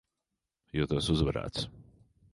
Jūtos uzvarēts.